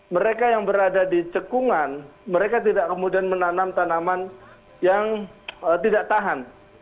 mereka yang berada di cekungan mereka tidak kemudian menanam tanaman yang tidak tahan